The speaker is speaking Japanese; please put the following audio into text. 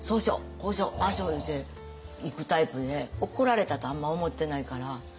こうしようああしよういうていくタイプで怒られたとあんま思ってないから。